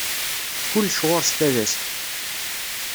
Kullec ɣur-s talast.